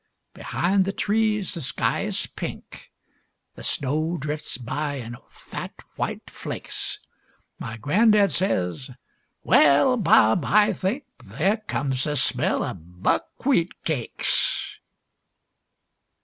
Behind the trees the sky is pink, The snow drifts by in fat white flakes, My gran'dad says: "Well, Bob, I think There comes a smell of buckwheat cakes."